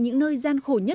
người dân là cầu sáng tạo